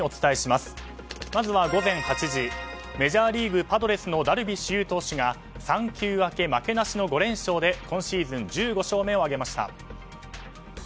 まずは午前８時メジャーリーグ、パドレスのダルビッシュ有投手が産休明け負けなしの５連勝で今シーズン１５勝目を挙げました。